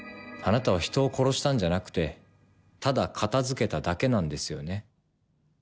あなたは人を殺したんじゃなくてただ片付けただけなんですよね？